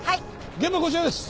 現場こちらです。